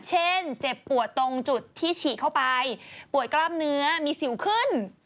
เช่นเจ็บปวดตรงจุดที่ฉีกเข้าไปป่วยกล้ามเนื้อมีสิวขึ้น